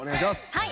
はい。